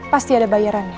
pasti ada bayarannya